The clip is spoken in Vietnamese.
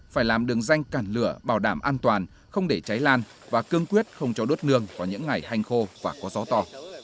phải làm đường danh cản lửa bảo đảm an toàn không để cháy lan và cương quyết không cho đốt nương vào những ngày hanh khô và có gió to